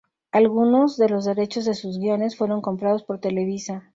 Algunos de los derechos de sus guiones fueron comprados por Televisa.